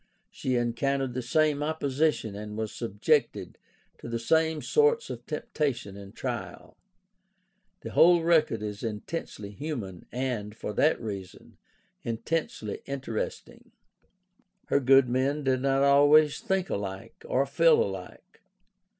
She encountered the same opposition and was subjected to the same sorts of temptation and trial. The whole record is intensely human and, for that reason, intensely interesting. Her good men did not always think alike or feel alike.